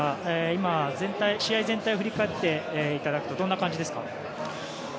今、試合全体を振り返っていただくとどんな感じですか。